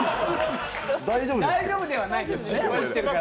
大丈夫じゃないですか？